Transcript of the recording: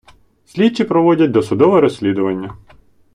Слідчі проводять досудове розслідування.